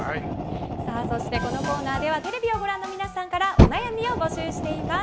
そしてこのコーナーではテレビをご覧の皆さんからお悩みを募集しています。